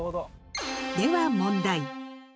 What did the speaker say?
では問題。